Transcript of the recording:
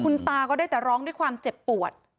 คุณตาก็ได้แต่ร้องด้วยความเจ็บปวด